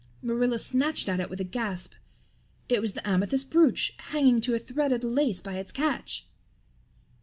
Marilla snatched at it with a gasp. It was the amethyst brooch, hanging to a thread of the lace by its catch!